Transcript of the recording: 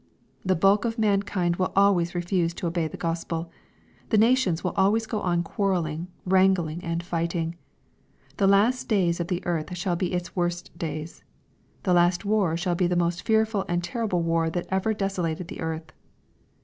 The bulk of mankind will always re fuse to obey the Gospel. The nations will always go on quarrelling, wrangling, and fighting. The last days of the earth shall be its worst days. The last war shall be the most fearful and terrible war that ever desolated the earth.